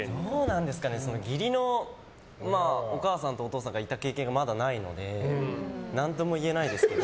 義理のお母さんとお父さんがいた経験がまだないので何とも言えないですけど。